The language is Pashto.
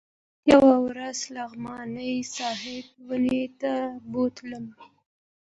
يوه ورځ نعماني صاحب واڼې ته بوتلم.